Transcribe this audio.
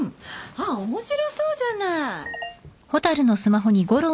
あっ面白そうじゃない。